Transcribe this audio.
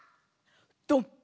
ドン！